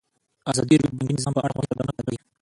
ازادي راډیو د بانکي نظام په اړه ښوونیز پروګرامونه خپاره کړي.